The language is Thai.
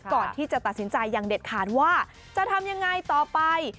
ก่อนที่จะตัดสินใจอย่างเด็ดขาดว่าจะทำยังไงต่อไป